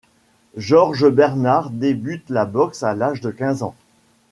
Georges Bernard débute la boxe à l'âge de quinze ans.